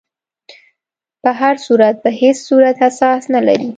په هر صورت په هیڅ صورت اساس نه لري.